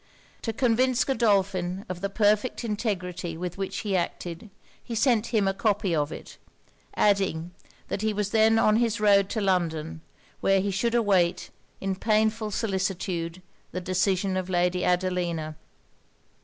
To convince Godolphin of the perfect integrity with which he acted, he sent him a copy of it; adding, that he was then on his road to London, where he should await, in painful solicitude, the decision of Lady Adelina.